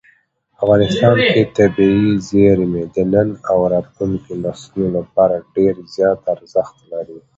افغانستان کې طبیعي زیرمې د نن او راتلونکي نسلونو لپاره ډېر زیات ارزښت لري.